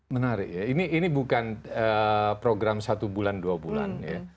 menarik ya ini bukan program satu bulan dua bulan ya